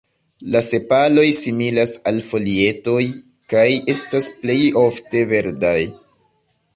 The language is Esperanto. La sepaloj similas al folietoj, kaj estas plejofte verdaj.